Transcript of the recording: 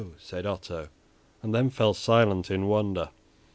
said Otto, and then fell silent with wonder.